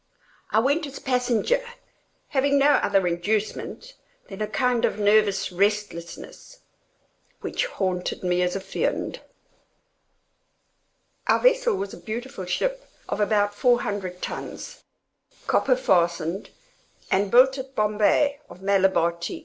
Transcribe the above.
I went as passenger—having no other inducement than a kind of nervous restlessness which haunted me as a fiend. Our vessel was a beautiful ship of about four hundred tons, copper fastened, and built at Bombay of Malabar teak.